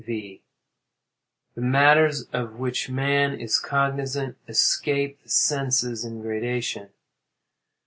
V. The matters of which man is cognizant escape the senses in gradation.